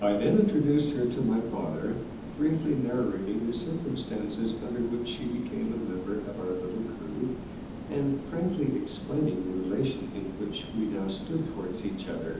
I then introduced her to my father, briefly narrating the circumstances under which she became a member of our little crew, and frankly explaining the relation in which we now stood towards each other.